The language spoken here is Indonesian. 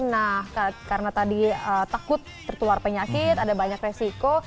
nah karena tadi takut tertular penyakit ada banyak resiko